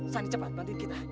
san cepat bantuin kita